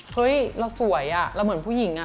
เฮ้ยเราสวยเราเหมือนผู้หญิง